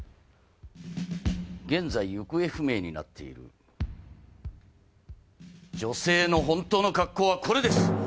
現在行方不明になっている女性の本当の格好はこれです！